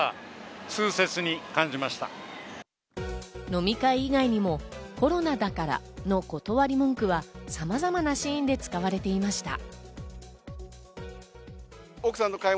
飲み会以外にもコロナだからの断り文句はさまざまなシーンで使われていました。